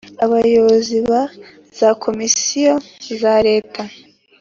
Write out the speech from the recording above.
Abayobozi ba za Komisiyo za leta